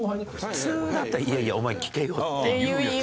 普通だったら「いやいやお前聞けよ」って言うよね。